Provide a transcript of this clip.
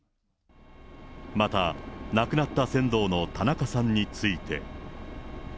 また、亡くなった船頭の田中さんについて。